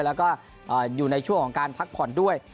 แล้วก็อยู่ในช่วงของการพักผ่อนด้วย